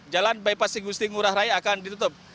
jalan bypassing gusti ngurah rai akan ditutup